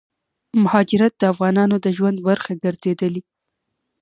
مهاجرت دافغانانو دژوند برخه ګرځيدلې